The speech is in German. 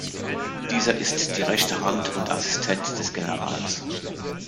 Dieser ist die rechte Hand und Assistent des Generals.